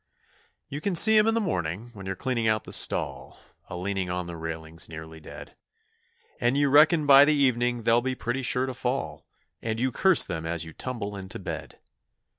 You can see 'em in the morning, when you're cleaning out the stall, A leaning on the railings nearly dead, And you reckon by the evening they'll be pretty sure to fall, And you curse them as you tumble into bed.